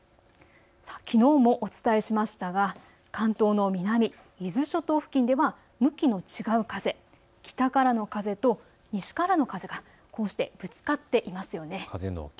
きのうもお伝えしましたが関東の南、伊豆諸島付近では向きの違う風、北からの風と西からの風がこうしてぶつかっていますよね。